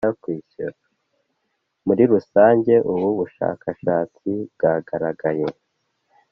Muri rusange ubu bushakashatsi bwagaragaye